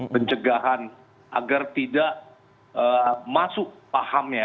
pencegahan agar tidak masuk pahamnya